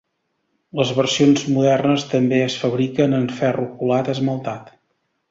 Les versions modernes també es fabriquen en ferro colat esmaltat.